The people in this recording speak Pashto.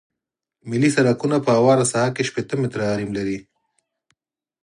ملي سرکونه په همواره ساحه کې شپیته متره حریم لري